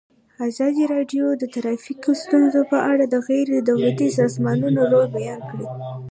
ازادي راډیو د ټرافیکي ستونزې په اړه د غیر دولتي سازمانونو رول بیان کړی.